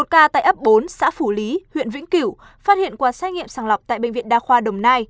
một ca tại ấp bốn xã phủ lý huyện vĩnh cửu phát hiện qua xét nghiệm sàng lọc tại bệnh viện đa khoa đồng nai